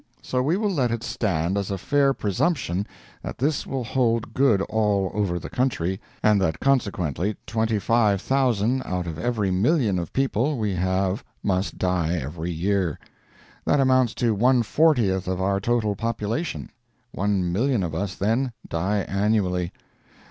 So we will let it stand as a fair presumption that this will hold good all over the country, and that consequently 25,000 out of every million of people we have must die every year. That amounts to one fortieth of our total population. One million of us, then, die annually.